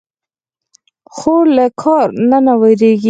خور له کار نه نه وېرېږي.